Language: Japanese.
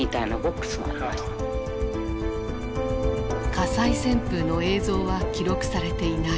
火災旋風の映像は記録されていない。